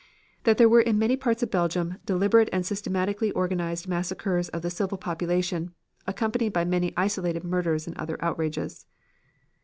That there were in many parts of Belgium deliberate and systematically organized massacres of the civil population, accompanied by many isolated murders and other outrages.